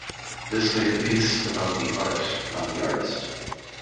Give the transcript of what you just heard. This made the piece about the art, not the artist.